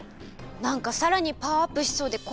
なんかさらにパワーアップしそうでこわい。